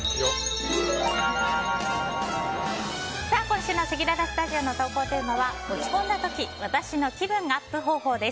今週のせきららスタジオの投稿テーマは落ち込んだ時私の気分アップ方法です。